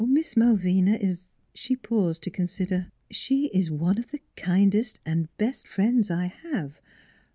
Miss Malvina is " She paused to consider: " She is one of the kindest and best friends I have.